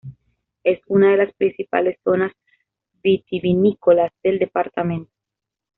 Es una de las principales zonas vitivinícolas del departamento.